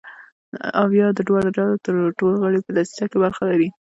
او یا د دواړو ډلو ټول غړي په دسیسه کې برخه لري.